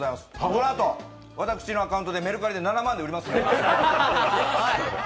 このあと私のアカウントでメルカリで７万で売ります。